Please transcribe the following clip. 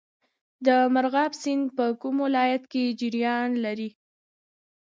د مرغاب سیند په کوم ولایت کې جریان لري؟